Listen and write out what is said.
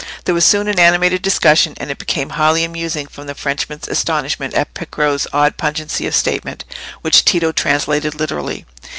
There was soon an animated discussion, and it became highly amusing from the Frenchman's astonishment at Piero's odd pungency of statement, which Tito translated literally.